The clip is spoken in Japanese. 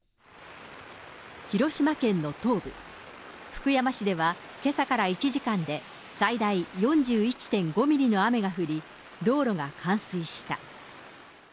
広島県の東部、福山市ではけさから１時間で最大４１．５ミリの雨が降り、道路が冠水した。